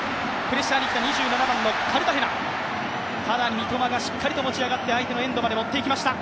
三笘がしっかり持ち上がって、相手のエンドまで持っていきました。